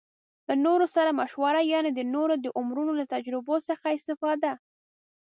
له نورو سره مشوره يعنې د نورو د عمرونو له تجربو څخه استفاده